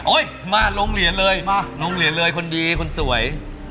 โอ้ยมาลงเหรียญเลยลงเหรียญเลยคนดีคนสวย